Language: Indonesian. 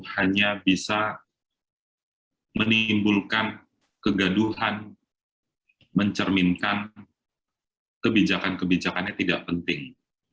hanya bisa menimbulkan kegaduhan mencerminkan kebijakan kebijakannya tidak penting